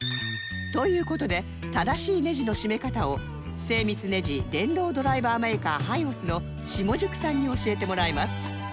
という事で正しいネジの締め方を精密ネジ電動ドライバーメーカーハイオスの下宿さんに教えてもらいます